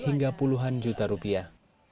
hingga puluhan juta rupiah